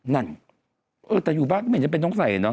นั่นแต่อยู่บ้านก็เหมือนจะเป็นต้องใส่